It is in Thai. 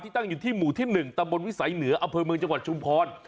ตั้งอยู่ที่หมู่ที่๑ตำบลวิสัยเหนืออำเภอเมืองจังหวัดชุมพร